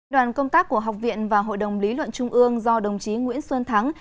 đoàn công tác của học viện và hội đồng lý luận trung ương do đồng chí nguyễn xuân thắng